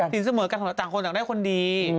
สินเสมอกันต่างคนต่างได้คนดี